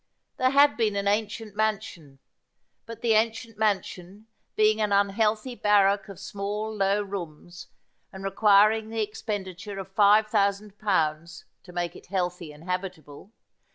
There had been an ancient man sion ; but the ancient mansion, being an unhealthy barrack of small low rooms, and requiring the expenditure of five thousand pounds to make it healthy and habitable.